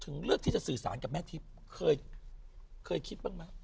ถึงเลือกที่จะสื่อศาลกับแม่ทิพย์เพื่อนแบบนี้หรือไหม